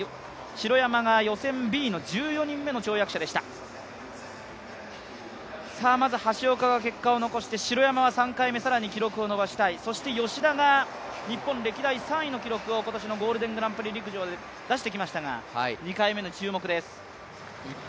城山が予選Ｂの１４人目の跳躍でしたまず橋岡が跳びまして、城山は３回目、更に記録を伸ばしたいそして吉田が、日本歴代３位の記録を今年のゴールデングランプリ陸上で出してきましたが２回目、注目です。